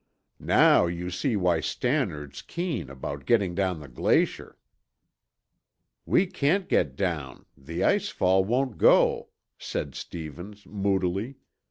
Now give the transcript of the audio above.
Now you see why Stannard's keen about getting down the glacier!" "We can't get down; the ice fall won't go," said Stevens moodily.